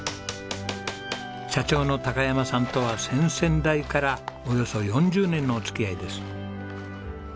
社長の山さんとは先々代からおよそ４０年のお付き合いです。